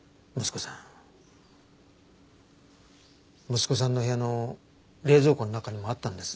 息子さんの部屋の冷蔵庫の中にもあったんです